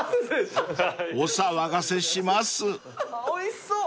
おいしそう！